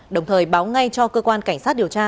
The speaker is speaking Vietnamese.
đồng thời báo ngay cho cơ quan cảnh sát điều tra